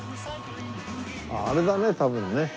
あれだね多分ね。